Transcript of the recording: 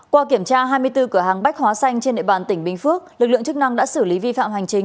qua kiểm tra hai mươi bốn cửa hàng bách hóa xanh trên địa bàn tỉnh bình phước lực lượng chức năng đã xử lý vi phạm hành chính